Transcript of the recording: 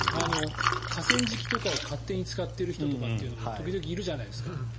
河川敷とかを勝手に使っている人とかも時々いるじゃないですか。